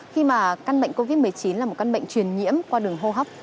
khi mà căn bệnh covid một mươi chín là một căn bệnh truyền nhiễm qua đường hô hấp